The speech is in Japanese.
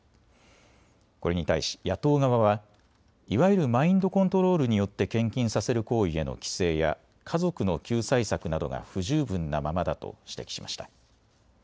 これに対し野党側は、いわゆるマインドコントロールによって献金させる行為への規制や家族の救済策などが不十分なままだと指摘しました。